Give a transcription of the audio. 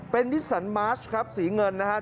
เป็นนิสสันมาร์ชครับสีเงินนะครับ